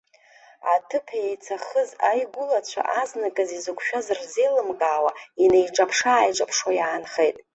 Аҭыԥ еицахыз аигәылацәа азныказ изықәшәаз рзеилымкаауа, инеиҿаԥшы-ааиҿаԥшуа иаанхеит.